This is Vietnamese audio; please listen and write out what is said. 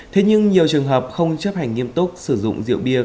thế nhưng nhiều trường hợp không chấp hành nghiêm túc sử dụng rượu bia